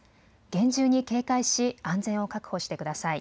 厳重に警戒し安全を確保してください。